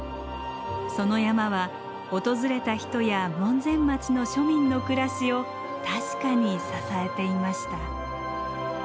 その山は訪れた人や門前町の庶民の暮らしを確かに支えていました。